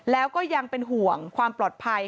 แล้วก็ยังเป็นห่วงความปลอดภัย